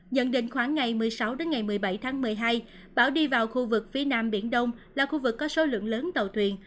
nhận định khoảng ngày một mươi sáu đến ngày một mươi bảy tháng một mươi hai bão đi vào khu vực phía nam biển đông là khu vực có số lượng lớn tàu thuyền